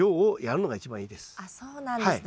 あっそうなんですね。